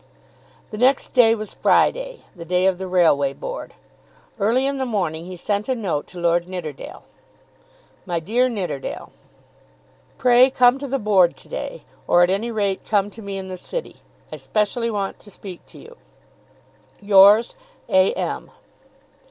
The next day was Friday, the day of the Railway Board. Early in the morning he sent a note to Lord Nidderdale. MY DEAR NIDDERDALE, Pray come to the Board to day; or at any rate come to me in the city. I specially want to speak to you. Yours, A. M.